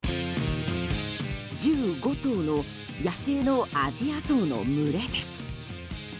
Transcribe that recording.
１５頭の野生のアジアゾウの群れです。